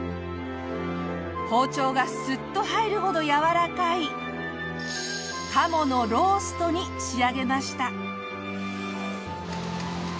包丁がスッと入るほどやわらかい鴨のローストに仕上げました。